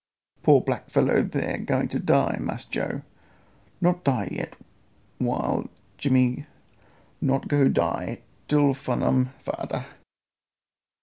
"Poor black fellow there going die, Mass Joe. Not die yet while: Jimmy not go die till fin' um fader.